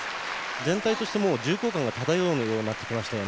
全体としてもう重厚感が漂うようになってきましたよね。